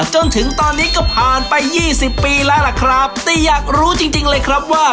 จนถึงตอนนี้ก็ผ่านไปยี่สิบปีแล้วล่ะครับแต่อยากรู้จริงจริงเลยครับว่า